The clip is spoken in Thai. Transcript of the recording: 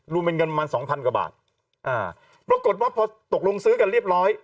รวมเป็นเงินประมาณสองพันกว่าบาทอ่าปรากฏว่าพอตกลงซื้อกันเรียบร้อย